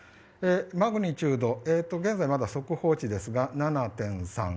マグニチュード現在まだ速報値ですが７．３。